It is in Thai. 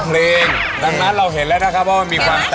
เปลี่ยนหลอดไฟด้วย